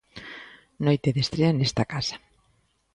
Noite de estrea nesta casa.